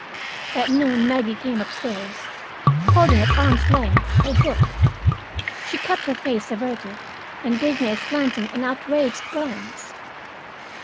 At noon Maggie came upstairs, holding at arm's length a book. She kept her face averted, and gave me a slanting and outraged glance.